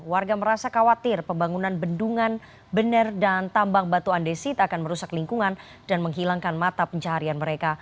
warga merasa khawatir pembangunan bendungan bener dan tambang batu andesit akan merusak lingkungan dan menghilangkan mata pencaharian mereka